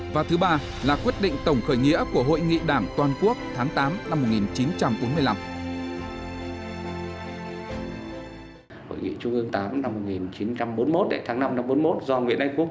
và thứ ba là quyết định tổng khởi nghĩa của hội nghị đảng toàn quốc tháng tám năm một nghìn chín trăm bốn mươi năm